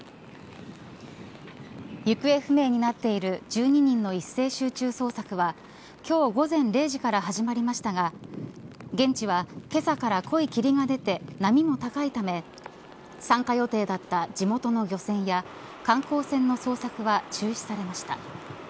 行方不明になっている１２人の一斉集中捜索は今日午前０時から始まりましたが現地はけさから濃い霧が出て波も高いため参加予定だった地元の漁船や観光船の捜索は中止されました。